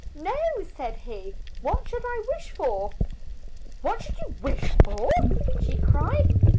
"No," said he, "what should I wish for?" "What should you wish for?" she cried.